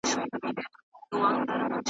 نګهبان مي خپل ازل دی د دښتونو لاله زار یم .